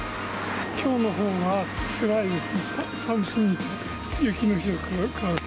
きょうのほうがつらいですね、寒すぎて。